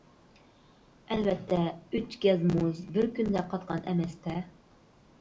ئەلۋەتتە، ئۈچ گەز مۇز بىر كۈندە قاتقان ئەمەستە!